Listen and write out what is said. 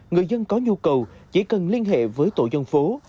người dân có nhu cầu chỉ cần liên hệ với tổ dân phố